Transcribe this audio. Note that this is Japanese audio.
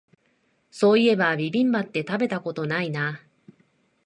そういえばビビンバって食べたことないな